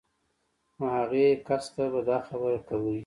نو هغې کس ته به دا خبره کوئ